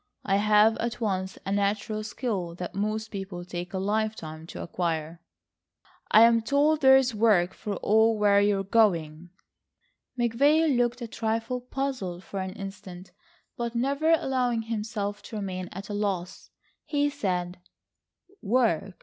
I have at once a natural skill that most people take a lifetime to acquire." "I'm told there's work for all where you are going." McVay looked a trifle puzzled for an instant, but never allowing himself to remain at a loss, he said: "Work!